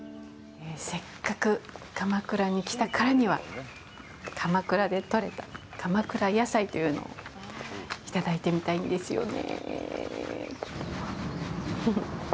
せっかく鎌倉に来たからには鎌倉で取れた鎌倉野菜というのをいただいてみたいんですよね。